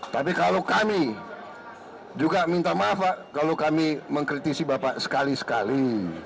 tapi kalau kami juga minta maaf pak kalau kami mengkritisi bapak sekali sekali